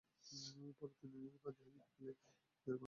পরে তিনি নিজে বাদী হয়ে বিকেলে শেরেবাংলা নগর থানায় মামলা করেছেন।